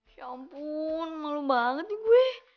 syampun malu banget nih gue